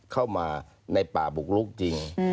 เข้ามาในป่าบุกลุกจริง